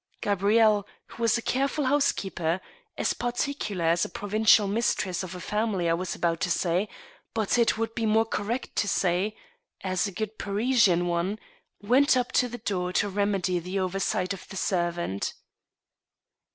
Gabrielle, who was a careful housekeeper— as particular as a pro vincial mistress of a family I was about to say, but it would be more correct to say, as a good Parisian one — ^went up to the door to rem edy the oversight of the servant.